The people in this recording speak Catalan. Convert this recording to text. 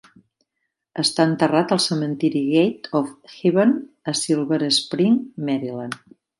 Està enterrat al cementiri Gate of Heaven a Silver Spring, Maryland.